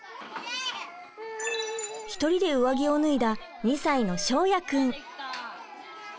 一人で上着を脱いだ２歳の翔也くん。